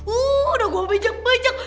udah gue bejak bejak